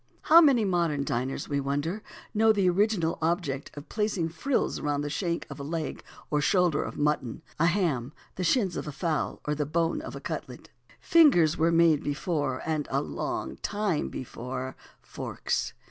How many modern diners, we wonder, know the original object of placing frills around the shank of a leg or shoulder of mutton, a ham, the shins of a fowl, or the bone of a cutlet? Fingers were made before and a long time before forks.